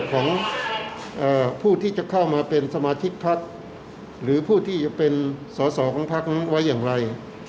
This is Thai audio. ของผู้ที่จะเข้ามาเป็นสมาชิกพักหรือผู้ที่จะเป็นสอสอของพักนั้นไว้อย่างไร